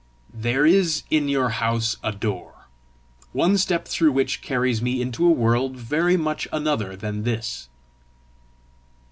"There is in your house a door, one step through which carries me into a world very much another than this."